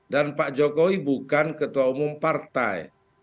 dan pak jokowi bukan ketua umum partai